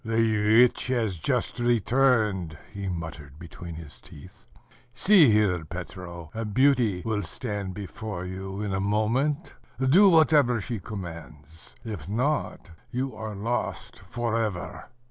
"The witch has just returned," he muttered between his teeth. "See here, Petro: a beauty will stand before you in a moment; do whatever she commands; if not you are lost for ever."